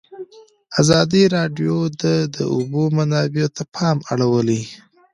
ازادي راډیو د د اوبو منابع ته پام اړولی.